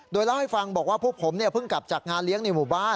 โดยเล่าให้ฟังบอกว่าพวกผมเพิ่งกลับจากงานเลี้ยงในหมู่บ้าน